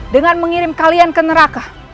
dengan mengirim kalian ke neraka